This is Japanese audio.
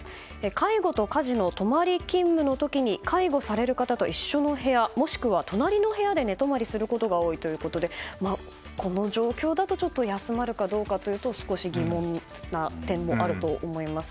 介護と家事の泊まり勤務の時に介護される方と一緒の部屋、もしくは隣の部屋で寝泊まりすることが多いということでこの状況だとちょっと休まるかどうかというと少し疑問な点もあると思います。